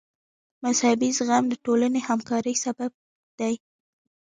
مذهبي زغم د ټولنې همکارۍ سبب دی.